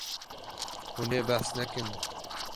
Hûn ê behs nekin.